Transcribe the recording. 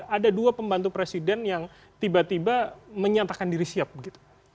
ada dua pembantu presiden yang tiba tiba menyatakan diri siap begitu